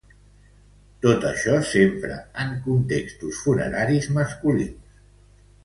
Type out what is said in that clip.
Tot això sempre en contextos funeraris masculins.